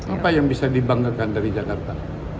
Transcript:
apa yang bisa dibanggakan dari jakarta